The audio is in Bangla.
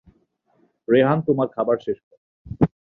রেহান তোমার খাবার শেষ কর।